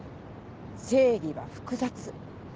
正義は複雑。